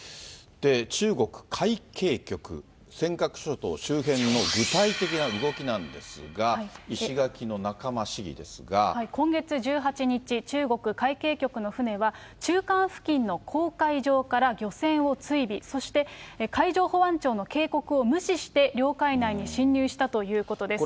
中国海警局、尖閣諸島周辺の具体的な動きなんですが、今月１８日、中国海警局の船は、中間付近の公海上から漁船を追尾、そして海上保安庁の警告を無視して、領海内に侵入したということです。